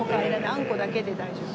あんこだけで大丈夫。